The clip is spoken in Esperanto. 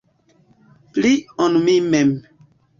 Pli, ol mi mem.